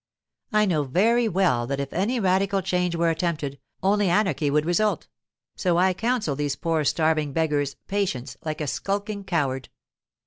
I know very well that if any radical change were attempted, only anarchy would result; so I counsel these poor starving beggars "patience" like a skulking coward.